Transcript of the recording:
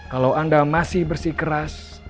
kalau anda masih bersih keras